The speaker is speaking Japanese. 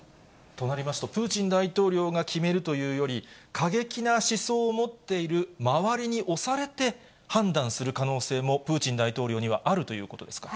となりますと、プーチン大統領が決めるというより、過激な思想を持っている周りに押されて、判断する可能性も、プーチン大統領にはあるということですか。